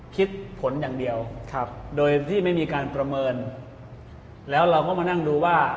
คิดผลอย่างเดียวครับโดยที่ไม่มีการประเมินแล้วเราก็มานั่งดูว่า